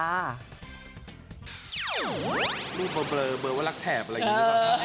รูปเขาเบลอเบลอว่ารักแถบอะไรอย่างนี้หรือเปล่า